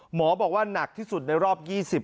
หมอบอกว่านักที่สุดในรอบ๒๐ปีนะครับ